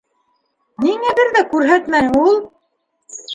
Ниңә бер ҙә күрһәтмәнең ул?